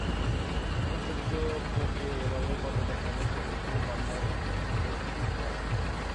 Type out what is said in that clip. মূল চরিত্র পোকে এবারের পর্বে দেখা যায় পুরোপুরি পান্ডা-অধ্যুষিত একটি জায়গায়।